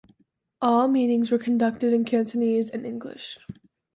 All meetings were conducted in Cantonese and English.